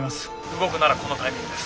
動くならこのタイミングです。